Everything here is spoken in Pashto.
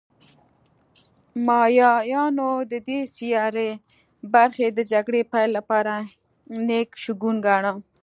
مایایانو د دې سیارې برخې د جګړې پیل لپاره نېک شګون گاڼه